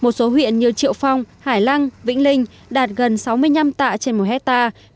một số huyện như triệu phong hải lăng vĩnh linh đạt gần sáu mươi năm tạ trên một hectare